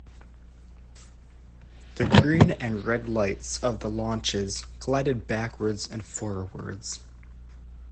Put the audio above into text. The green and red lights of the launches glided backwards and forwards.